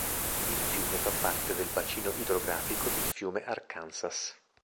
Il fiume fa parte del bacino idrografico del fiume Arkansas.